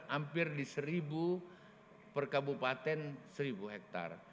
hampir di seribu per kabupaten seribu hektare